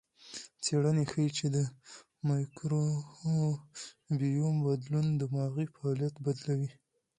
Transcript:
څېړنه ښيي چې د مایکروبیوم بدلون دماغي فعالیت بدلوي.